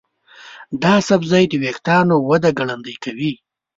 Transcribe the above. دا سبزی د ویښتانو وده ګړندۍ کوي.